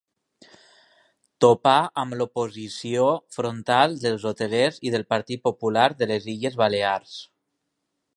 Topà amb l'oposició frontal dels hotelers i del Partit Popular de les Illes Balears.